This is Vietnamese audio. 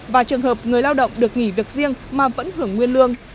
và trường hợp người lao động được nghỉ việc riêng mà vẫn hưởng nguyên lương